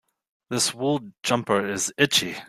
This wool jumper is itchy.